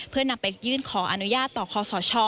เพื่อนำไปยื่นขออนุญาตต่อคอสช